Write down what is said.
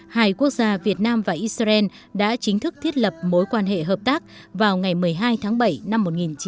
hai quốc gia việt nam và israel đã chính thức thiết lập mối quan hệ hợp tác vào ngày một mươi hai tháng bảy năm một nghìn chín trăm bảy mươi